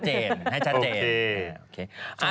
เออให้ชัดเจน